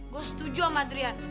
gue setuju sama adrian